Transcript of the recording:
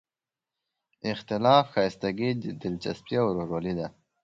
اختلاف ښایستګي، دلچسپي او ورورولي ده.